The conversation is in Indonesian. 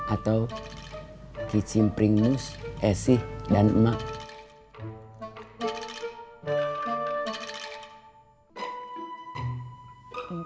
atau kicimpring mus esih dan saya